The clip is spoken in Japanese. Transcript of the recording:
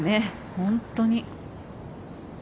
本当に。